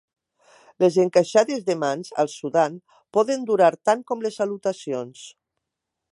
Les encaixades de mans, al Sudan, poden durar tant com les salutacions.